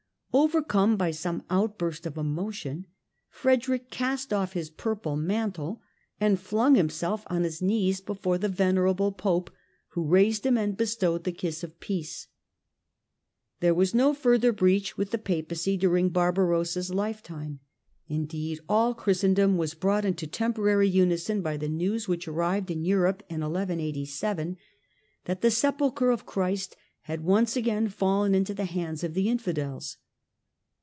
Overcome by some outburst of emotion, Frederick cast off his purple mantle and flung himself on his knees before the venerable Pope, who raised him and bestowed the kiss of peace. There was no further breach with the Papacy during Barbarossa's lifetime. Indeed, all Christendom was brought into temporary unison by the news, which arrived in Europe in 1187, that the Sepulchre of Christ had once again fallen into the hands of the infidels.